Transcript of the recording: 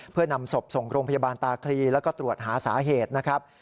เพื่อนำศพส่งโรงพยาบาลตาคลีแล้วก็ตรวจหาสาเหตุนะครับ